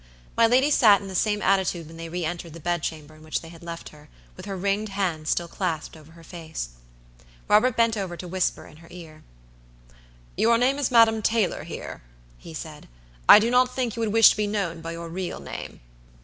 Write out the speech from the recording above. My lady sat in the same attitude when they re entered the bedchamber in which they had left her, with her ringed hands still clasped over her face. Robert bent over to whisper in her ear. "Your name is Madam Taylor here," he said. "I do not think you would wish to be known by your real name."